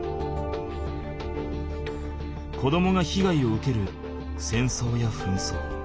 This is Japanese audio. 子どもがひがいを受ける戦争や紛争。